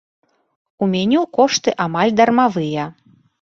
У меню кошты амаль дармавыя.